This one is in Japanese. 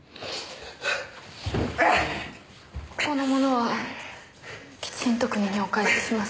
ここのものはきちんと国にお返しします。